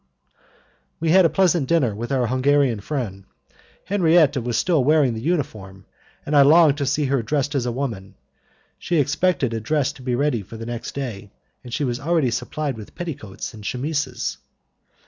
We had a pleasant dinner with our Hungarian friend. Henriette was still wearing the uniform, and I longed to see her dressed as a woman. She expected a dress to be ready for the next day, and she was already supplied with petticoats and chemises.